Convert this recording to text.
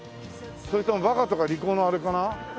それとも「バカ」とか「利口」のあれかな？